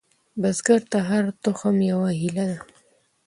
بزګر ته هره تخم یوه هیلې ده